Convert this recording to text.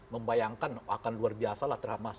membayangkan akan luar biasa lah terhamas